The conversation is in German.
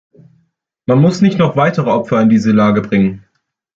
Man muss nicht noch weitere Opfer in diese Lage bringen.